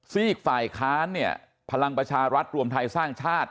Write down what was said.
ซีกฝ่ายค้านเนี่ยพลังประชารัฐรวมไทยสร้างชาติ